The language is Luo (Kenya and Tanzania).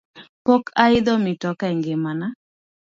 Pok ayidho mitoka e ngima na